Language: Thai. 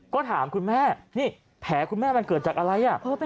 ก็ถามคุณแม่นี่แผลคุณแม่มันเกิดจากอะไร